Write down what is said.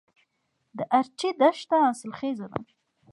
د ارچي دښته حاصلخیزه ده